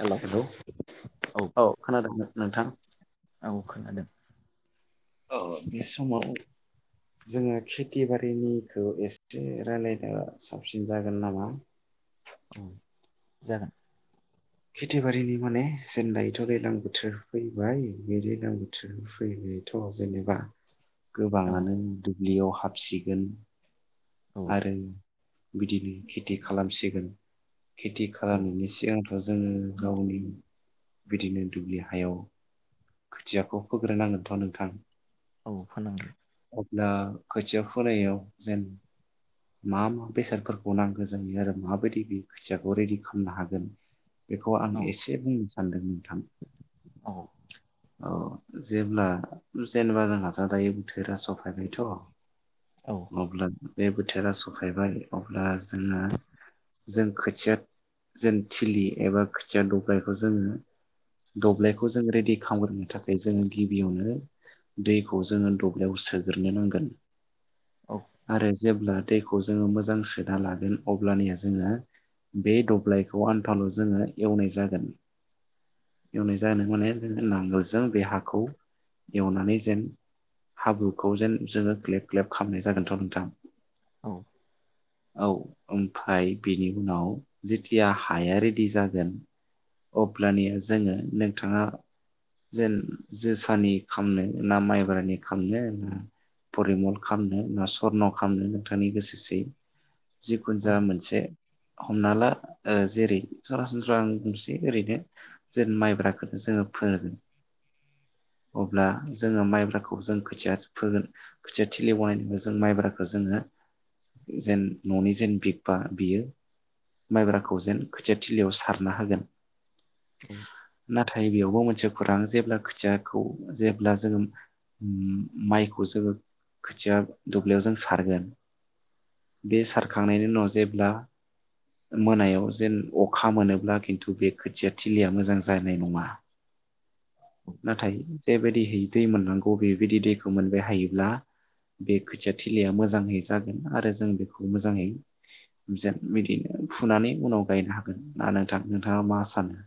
Hello hello औ खोनादोंना नोंथां औ खोनादों औ बे समाव जोङो खेथि बारिनिखौ एसे राय्लायनो साबसिन जागोन नामा? औ जागोन। खेथिबारिनि माने जों दायोथ दैलां बोथोर फैबाय बे दैलां बोथोर फैनायथ जेनेबा औ गोबाङानो दै दुबलियाव हाबसिगोन। औ आरो बिदिनो खेथि खालामसिगोन। खेथि औ खालामनायनि सिगां ओ जोङो गावनि बिदिनो दुब्लि हायाव खोथियाखौ फोग्रोनांगोनथ नोंथां। औ फोनांगोन। दा खोथिया फोनायाव जेन मा मा बेसादफोरखौ नांगो जायो आरो माबायदि बे खोथियाखौ रेडि खालामनो हागोन। बेखौ आं औ एसे बुंनोस सानदों नोंथां। औ औ जेब्ला जेनेबा जोंहाथ दायो बोथोरा स फैबायथ औ अब्ला [unintelligible] बोथोरा सफायबाय अब्ला जोङा जों खोथिया जेन थिलि एबा खोथिया दब्लायखौ जोङो दब्लायखौ जों रेडि खालामग्रोनो थाखाय जोङो गिबियावनो दैखौ जोङो दब्लायाव सोग्रोनो नांगोन। औ आरो जेब्ला दैखौ जोङो मोजां सोना लागोन अब्लानिया जोङो बे दब्लायखौ आन्थाल जोङो एवनाय जागोन एवनाय जानो माने जोङो नांगोलजों बे हाखौ एवनानै जेन हाब्रुखौ जेन जोङो ग्लेब ग्लेब खामनाय जागोनथ नोंथां। औ औ ओमफाय बिनि उनाव जेतिया हाया रेडि जागोन अब्लानिया जोङो नोंथाङा जेन जोसानि खामनो ना माइब्रानि खालामनो ना परिमल खामनो ना सरन खालामनो? नोंथांनि गोसोसै जिखुन औ जा मोनसे हमना ला ओ जेरै सरासनस्राै आं बुंसै ओरैनो जेरै माइब्राखौनो जोङो फोगोन अब्ला जोङो माइब्राखौ जों खोथिया फोगोन खोथिया थिलि बानायनानै जों माइब्राखौ जोङो जेन ननि जेन बिग बा बियो माइब्राखौ जेन खोथियाथिलियाव सारना होगोन। औ नाथाय बेयाव बेयाव मोनसे खोथा जेब्ला खोथियाखौ जेब्ला जोङो माइखौ जोङो खोथिया दुब्लियाव जों सारगोन बे सारखांनायनि उनाव जेब्ला मोनायाव जेन अखा मोनोब्ला खिन्थु बे खोथिया थिग थिलियाव मोजां जानाय नङा नाथाय बे बायदिहै दै मोननांगौ बेबायदि दैखौ मोनबाय हायोब्ला बे खोथिया थिलिया मोजाङैस जागोन आरो जों बेखौ मोजाङै जेन बिदिनो फुनानै उनाव गायनो हागोन ना नोंथां नोंथाङा मा सानो?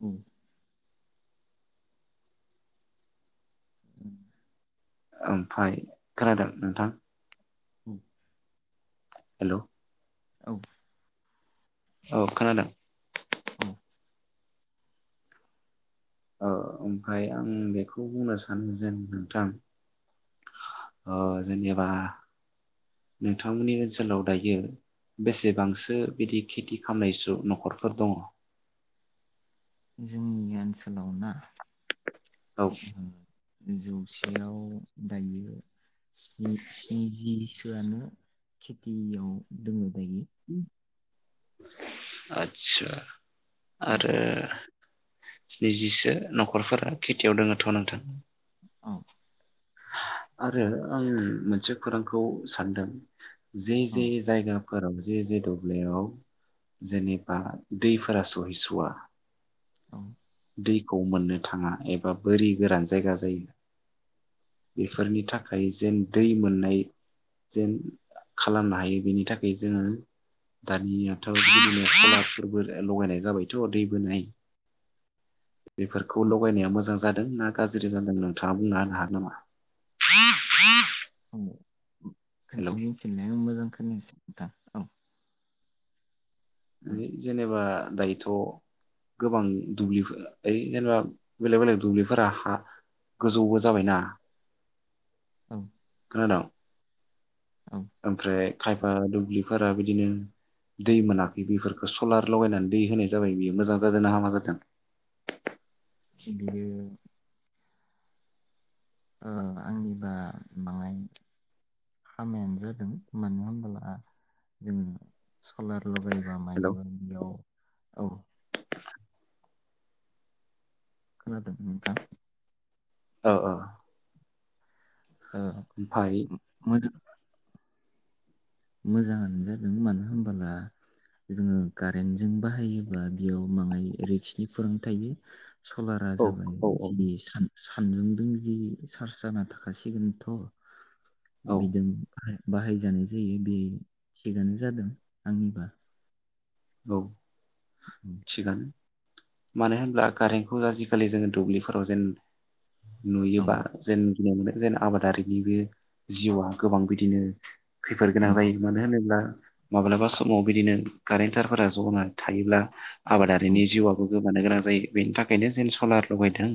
औ ओमफ्राय खोनादों नोंथां हेलौ औ औ खोनादों। औ ओ ओमफाय आं बेखौ बुंनो सानो जेन नोंथां ओ जेनेबा नोंथांमोननि ओनसोलाव दायो बेसेबांसो बिदि खेथि खालामनाय ज नखरफोर दङ? जोंनि ओनसोलाव ना? औ उम जौसेयाव दायो स्नि स्निजि आनो खेथियाव दङो दायो आच्छा औ आरो स्निजिसो नखरफोरा खेथियाव दङथ नोंथां औ आरो आं मोनसे खौरांखौ सानदों जि औ जि जायगा फोब जे जे दब्लायाव जेनेबा दैफोरा सहैसवा औ दैखौ मोननो थाङा एबा बोरि गोरान जायगा जायो बेफोरनि थाखाय जेन दै मोननाय जेन खालामनो हायो बेनि थाखाय जोङो दानियाथ कलारफोरबो लगायनाय जाबायथ दै बोनाय बेफोरखौ लगायनाया मोजां जा दों ना गाज्रि जादों नोंथाङा बुंना होन हाग नामा? औ हेलौ खोनसे बुंफिनाय मोजां खोनायासै नोंथां औ ओइ जेनेबा दायो थ गोबां दुब्लिफो ओइ जेनेबा बेलेग बेलेग दुब्लिफोरा हा गोजौबो जाबायना औ खोना द औ ओमफ्राय खायफा दुब्लिफोरा बिदिनो दै मोनाखै बेफोरखौ सलार लगायनानै दै होनो जाबाय बियो मोजां जादोंनाा हामा जादों? बिनो ओ आंनिबा बाङाय हामायानो जादों मानो होनबोला जों सलार लगायोबा हेलौ मानोबा बेयाव औ खानादों नोंथां औ ओ ओ मो मोजां मोजाङानो जादों मानो होनबोला जोङो गारेन्टजों बाहायोबा बेयाव बाङाय रिक्सनि फुरांं थायो सलारा औ जाबाय औ औ जि सान सानदुंदों जि चार्ज जाना थाखासिगोनथ औ बिदों बाहायजानो जि बेयो बे थिकआनो जादों आंनिबा औ। औ थिगानो। मानो होनब्ला कारेन्टखौ आजिखालि जोङो दुब्लिफोराव जेन। नुयोबा जेन। गिनाय मोनो जेन आबादारिनि बेबो जिउआ गोबां बिदिनो। खैफोद औ गोनां जायो मानो होनोब्ला। माब्लाबा समाव बिदिनो कारेन्ट। टारफोरा जनानै थायोब्ला। औ आबादारिनि जिउआबो। गोमानो गोनां जायो बेनि थाखायनो जेन सलार लगायदों।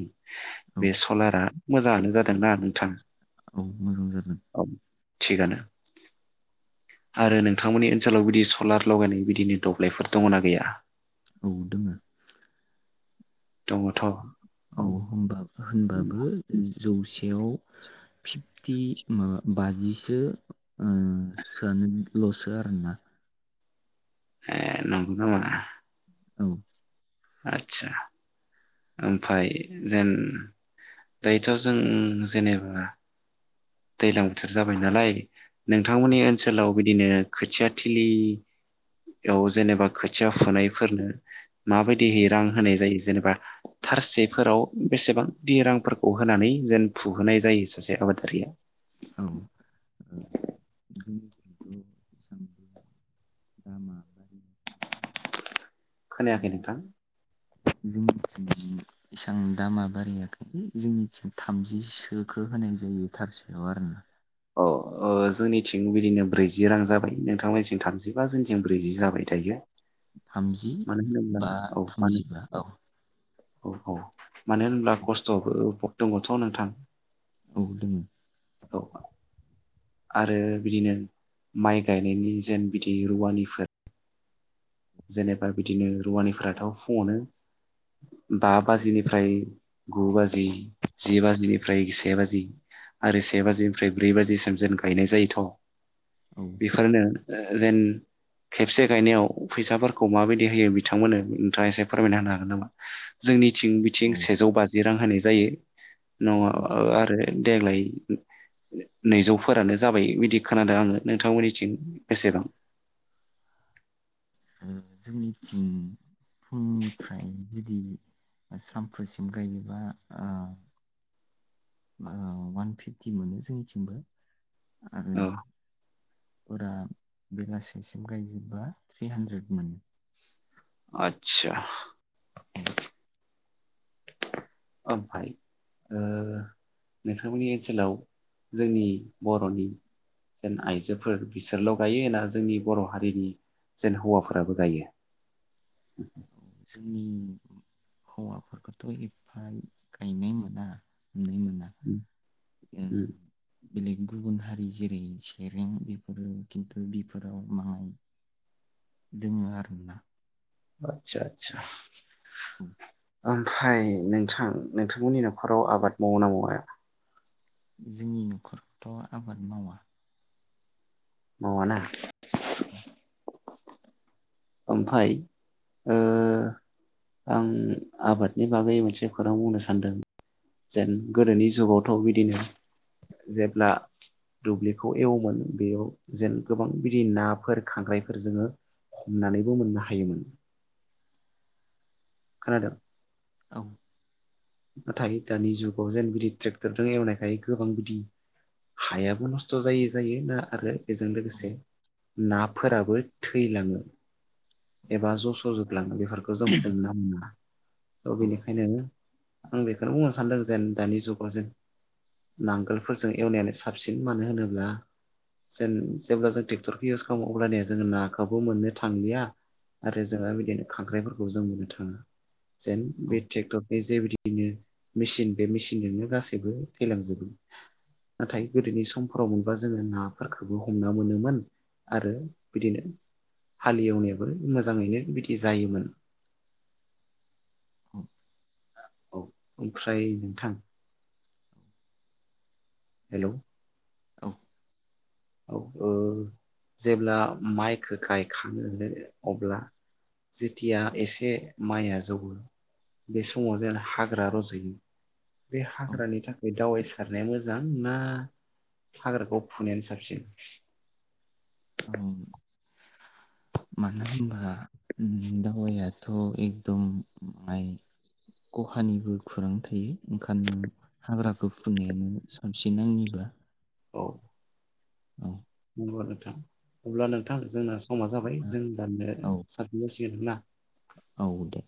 औ बे सलारा। मोजाङानो जादोंना नोंथां। औ मोजां जादों। औ थिगानो। आरो नोंथांमोननि ओनसोलाव बिदि सलार लगायनाय बिदिनो दब्लायफोर दङना गैया। औ दोङो। दङथ औ। औ होमबा होनबाबो जो। जौसेयाव फिबटि माबा बाजिसो ओ सोयानो लसो आरोना। ए नंगो नामा। औ। आतसा। ओमफाय जेन दायोथ जों जेनेबा। दैज्लां बोथोर जाबाय नालाय नोंथांमोननि ओनसोलाव बिदिनो खोथिया थिलि इयाव जेनेबा खोथिया फुनायफोरनो माबायदिहै रां होनाय जायो जेनेबा थारसेफोराव बेसेबांदि रांफोरखौ होनानै जेन फुहोनाय जायो सासे आबादारिया। औ [unintelligible] खोनायाखै नोंथां। जोंनिथिं एसां दामा बारायाखै जोंनिथिं थामजिसोखौ होनाय जायो थारसेयाव आरो ना। अ ओ जोंनिथिं बिदिनो ब्रैजि रां जाबाय नोंथांमोननिथिं थामजिबा जोंनि जों ब्रैजि जाबाय दायो थामजि मानो होनोब्ला बा औ मानो। थामजिबा औ औ औ मानो होनब्ला खस्थबो भि दङथ नोंथां। औ दोङो। औ। आरो बिदिनो माइ गायनायनि जेन बिदि रुवानिफोर। जेनेबा बिदिनो रुवानिफोराथ फुङावनो बा बाजिनिफ्राय गु बाजि जि बाजिनिफ्राय से बाजि आरो से बाजिनिफ्राय ब्रै बाजिसिम जेन गायनाय जायोथ। औ बिफोरनो। ओ जेन खेबसे गायनायाव। फैसाफोरखौ माबायदि होयो बिथांमोननो नोंथाङा एसे फोरमायना होनो हागोन नामा जोंनि। थिं बिथिं औ सेजौ बाजि। रां होनाय जायो नआव औ आरो देग्लाय नैजौफोरानो जाबाय बिदि खोनादो आङो नोंथांमोननिथिं बेसेबां ओ जोंनिथिं फुंनिफ्राय जुदि सामफुसिम गायोबा ओ ओ वान फिफ्टि मोनो जोंनिथिंबो आरो औ फोरा बेलासिसिमखाय जोबा थ्रि हान्द्रेद मोन आतसा। औ। ओमफाय ओ नोंथांमोननि ओनसोलाव जोंनि बरनि जेन आइजोफोर बिसोरल गायो जोंनि बर हारिनि जेन हौवाफोराबो गायो? जोंनि हौवाफोरखौथ एफा गायनाय मोना। नुनाय मोना उ ओ उ। बेलेग गुबुन हारि जेरै सेरें बेफोरो खिन्थु बिफोराव माव दोङो आरोना। आतसा आतसा। औ। ओमफाय नोंथां नोंथांमोननि नखराव आबाद मावो ना मावा? जोंनि नखरथ आबाद मावा। मावा ना? औ। ओमफाय ओ आं आबादनि बागै मोनसे खौरां बुंनो सानदों जेन गोदोनि जुगावथ बिदिनो जेब्ला दुब्लिखौ एवोमोन बेयाव जेन गोबां बिदि नाफोर खांख्रायफोर जोङो हमनानैबो मोननो हायोमोन। खानादो? औ। नाथाय दानि जुगाव जेन बिदि ट्रेक्टरजों एवनायखाय गोबां बिदि हायाबो नस्थ जाय जायो ना आरो बेजों लोगोसे नाफोराबो थैलाङो। एबा जस जोबलाङो बे फारखौ जों हमना मोना थ औ बेनिखायनो आं बेखौनो बुंनो सानदों जेन दानि जुगाव जेन नांगोलफोरजों एवनायानो साबसिन मानो होनोब्ला जेन जेब्ला जों ट्रेक्टरखौ इउस खालामो अब्लानिया जोंङ नाखौबो मोननो थांलिया आरो जोंहा बिदिनो खांख्राइफोरखौ जों मोननो थाङा जेन औ बे ट्रेक्टरनि जे बिदिनो मेचिन बे मेसिनजोंनो गासैबो थैलांजोबो औ नाथाय गोदोनि समफोराव मोनबा जोङो नाफोरखौबो हमना मोनोमोन आरो बिदिनो हालेवनेव बै मोजाङैनो बिदि जायोमोन। ना औ ओमफ्राय नोंथां हेलौ! औ। औ ओ जेब्ला माइखो गायखाङो अब्ला जेथिया एसे माइया जौवो बे समाव जेन हाग्रा रजयो बे औ हाग्रानि थाखाय दावाइस खारनाया मोजां ना हाग्राखौ फुनायानो साफ औ [unintelligible] मानो होमबा उम दावायाथ एकदम माय खहानिबो खुरां थायो ओंखानो हाग्राखौ फुनायानो साफफिन आंनिबा। औ। औ। अ नोंथां अब्ला नोंथां जोंना समा जाबाय जों दाननो औ सातमुस गितब्ला। औ दे